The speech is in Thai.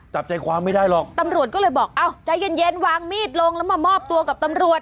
จับใจความไม่ได้หรอกตำรวจก็เลยบอกอ้าวใจเย็นเย็นวางมีดลงแล้วมามอบตัวกับตำรวจ